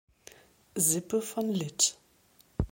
Sippe von lit.